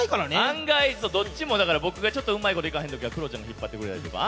案外どっちも僕がちょっとうまい事いかへん時はクロちゃんが引っ張ってくれたりとか。